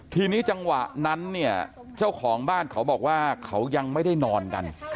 ทีนี้จังหวะนั้นเนี่ยเจ้าของบ้านเขาบอกว่าเขายังไม่ได้นอนกัน